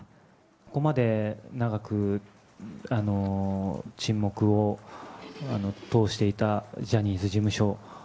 ここまで長く沈黙を通していたジャニーズ事務所。